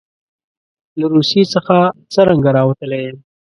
له روسیې څخه څرنګه راوتلی یم.